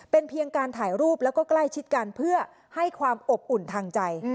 เป็นเพียงการถ่ายรูปแล้วก็ใกล้ชิดกันเพื่อให้ความอบอุ่นทางใจ